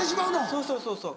そうそうそうそう。